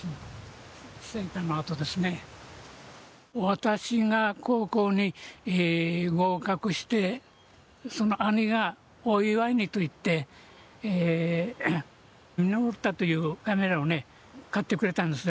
私が高校に合格して兄がお祝いにと言ってミノルタというカメラをね買ってくれたんですよ。